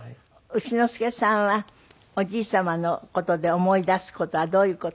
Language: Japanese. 丑之助さんはおじい様の事で思い出す事はどういう事？